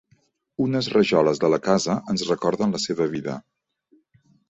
Unes rajoles de la casa ens recorden la seva vida.